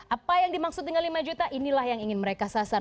apa yang dimaksud dengan lima juta inilah yang ingin mereka sasar